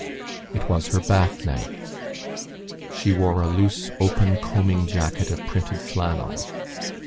It was her bath night. She wore a loose open combing jacket of printed flannel.